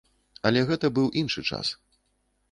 Але гэта быў іншы час.